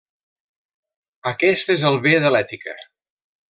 Aquest és el bé de l'ètica.